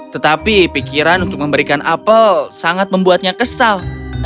tetapi pikiran untuk memberikan apel sangat membuatnya kesal